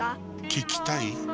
聞きたい？